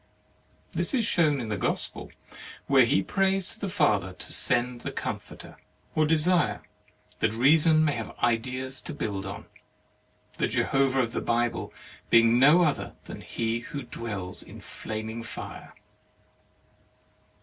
This is shown in the Gospel, where he prays to the Father to send the Comforter or desire that Reason may have ideas to build on, the Jehovah of the Bible being no other than he who dwells in flaming fire.